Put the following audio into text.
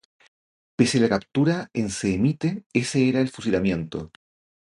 Pese la captura en se emite ese era el fusilamiento.